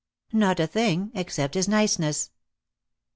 "Not a thing, except his niceness."